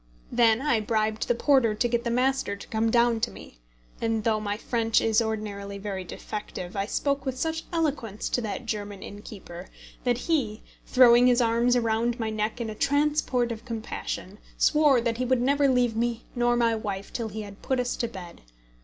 Then I bribed the porter to get the master to come down to me; and, though my French is ordinarily very defective, I spoke with such eloquence to that German innkeeper that he, throwing his arms round my neck in a transport of compassion, swore that he would never leave me nor my wife till he had put us to bed.